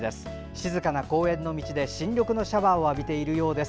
静かな公園の道で新緑のシャワーを浴びているようです。